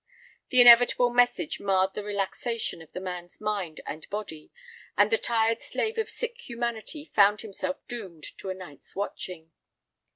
The inevitable message marred the relaxation of the man's mind and body, and the tired slave of sick humanity found himself doomed to a night's watching.